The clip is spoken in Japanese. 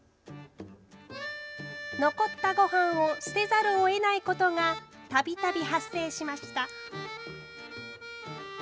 残ったご飯を捨てざるをえないことがたびたび発生しました。